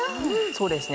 そうですね。